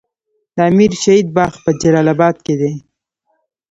د امیر شهید باغ په جلال اباد کې دی